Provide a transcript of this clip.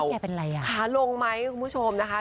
แกเป็นอะไรอ่ะขาลงไหมคุณผู้ชมนะคะ